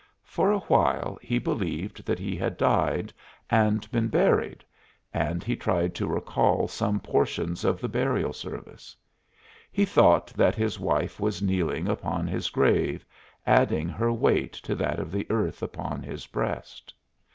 For a while he believed that he had died and been buried, and he tried to recall some portions of the burial service. He thought that his wife was kneeling upon his grave, adding her weight to that of the earth upon his breast.